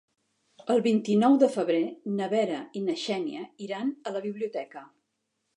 El vint-i-nou de febrer na Vera i na Xènia iran a la biblioteca.